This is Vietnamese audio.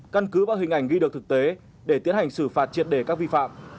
căn cứ và hình ảnh ghi được thực tế để tiến hành xử phạt triệt đề các vi phạm